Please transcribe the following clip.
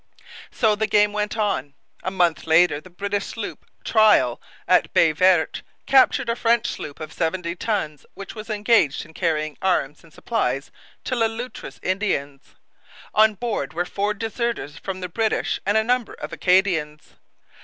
So the game went on. A month later the British sloop Trial, at Baie Verte, captured a French sloop of seventy tons which was engaged in carrying arms and supplies to Le Loutre's Indians. On board were four deserters from the British and a number of Acadians.